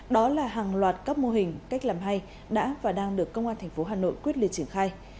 đó là hàng loạt các mô hình cách làm hay đã và đang được công an tp hà nội quyết liệt triển khai